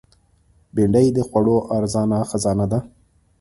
بېنډۍ د خوړو ارزانه خزانه ده